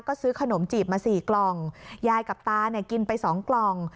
ก็ซื้อขนมจีบมา๔กล่องยายกับตากินไป๒กล่อง